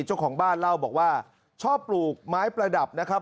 เจ้าของบ้านเล่าบอกว่าชอบปลูกไม้ประดับนะครับ